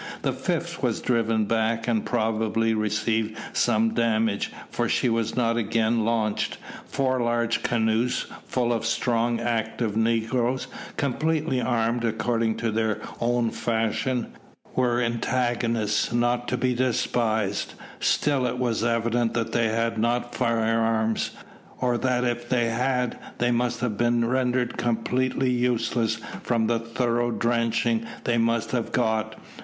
The fifth was driven back, and probably received some damage, for she was not again launched. Four large canoes full of strong active negroes, completely armed according to their own fashion, were antagonists not to be despised; still it was evident that they had not firearms, or that if they had, they must have been rendered completely useless from the thorough drenching they must have got.